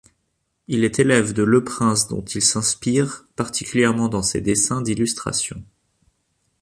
Il est élève de Leprince dont il s'inspire, particulièrement dans ses dessins d'illustrations.